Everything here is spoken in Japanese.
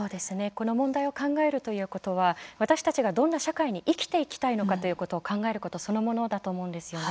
この問題を考えるということは私たちがどんな社会に生きていきたいのかということを考えることそのものだと思うんですよね。